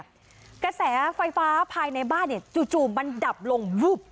กระแสไฟฟ้าภายในบ้านจู่มันดับลง